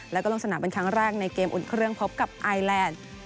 แล้วก็ลงสนามเป็นครั้งแรกในเกมอุ่นเครื่องพบกับไอแลนด์